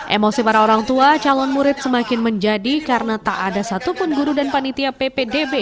emosi para orang tua calon murid semakin menjadi karena tak ada satupun guru dan panitia ppdb